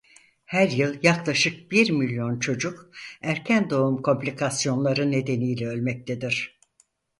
Her yıl yaklaşık bir milyon çocuk erken doğum komplikasyonları nedeniyle ölmektedir.